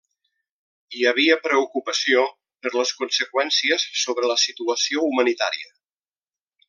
Hi havia preocupació per les conseqüències sobre la situació humanitària.